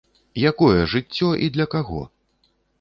Якое жыццё і для каго?